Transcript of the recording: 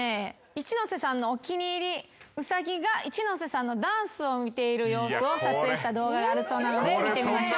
一ノ瀬さんのお気に入りウサギが一ノ瀬さんのダンスを見ている様子を撮影した動画があるそうなので見てみましょう。